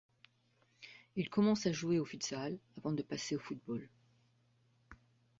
Il commence à jouer au futsal avant de passer au football.